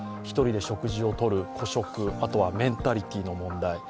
１人で食事をとる、個食メンタリティーの問題